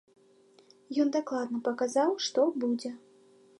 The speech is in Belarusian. Ён дакладна паказаў, што будзе.